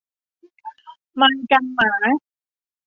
ไม้กันหมา